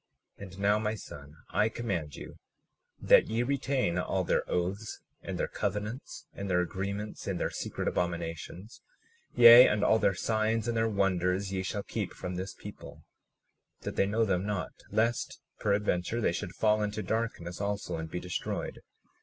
37:27 And now, my son, I command you that ye retain all their oaths, and their covenants, and their agreements in their secret abominations; yea, and all their signs and their wonders ye shall keep from this people, that they know them not, lest peradventure they should fall into darkness also and be destroyed.